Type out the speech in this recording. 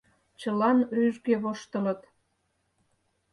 Чылан рӱжге воштылыт.